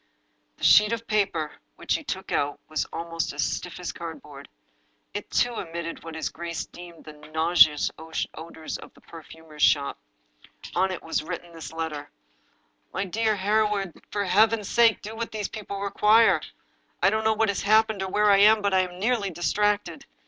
The sheet of paper which he took out was almost as stiff as cardboard. It, too, emitted what his grace deemed the nauseous odors of the perfumer's shop. On it was written this letter: "My dear Hereward— For Heaven's sake do what these people require I I don't know what has happened or where I am, but I am nearly distracted!